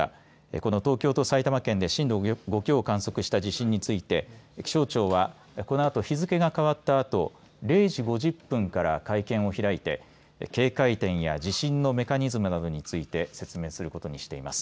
この東京と埼玉県で震度５強を観測した地震について気象庁はこのあと日付が変わったあと０時５０分から会見を開いて警戒点や地震のメカニズムなどについて説明することにしています。